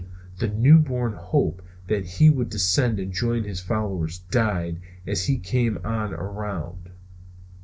The new born hope that he would descend and join his followers died as he came on around.